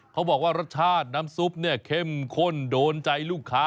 เขาบอกว่ารสชาติน้ำซุปเนี่ยเข้มข้นโดนใจลูกค้า